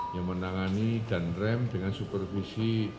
yang menangani dan rem dengan supervisi